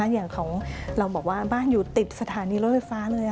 อย่างของเราบอกว่าบ้านอยู่ติดสถานีรถไฟฟ้าเลย